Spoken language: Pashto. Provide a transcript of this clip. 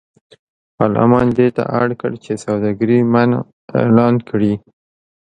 پارلمان دې ته اړ کړ چې سوداګري منع اعلان کړي.